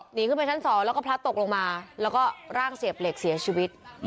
หนีขึ้นไปชั้น๒แล้วก็พลัดตกลงมาแล้วก็ร่างเสียบเหล็กเสียชีวิต